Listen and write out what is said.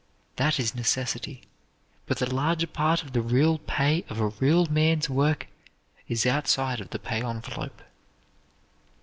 That is necessity; but the larger part of the real pay of a real man's work is outside of the pay envelope.